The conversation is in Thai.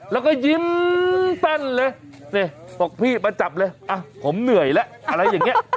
แล้วก็ยิ้มเต้นเลยนี่บอกพี่มาจับเลยผมเหนื่อยแล้วอะไรอย่างนี้